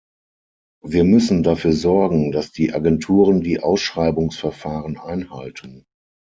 Wir müssen dafür sorgen, dass die Agenturen die Ausschreibungsverfahren einhalten.